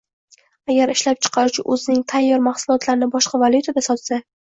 Agar ishlab chiqaruvchi o‘zining tayyor mahsulotlarini boshqa valyutada sotsa